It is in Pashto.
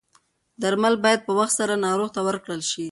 درمل باید په وخت سره ناروغ ته ورکړل شي.